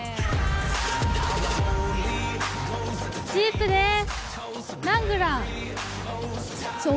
ジープです。